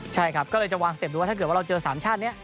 ใช่ครับก็เลยจะวางสเต็ปดูว่าถ้าเกิดว่าเราเจอ๓ชาตินี้